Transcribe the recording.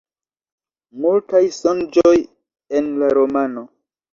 Multaj sonĝoj en la romano.